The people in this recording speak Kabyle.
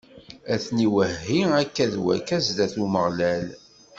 Ad ten-iwehhi akka d wakka zdat n Umeɣlal.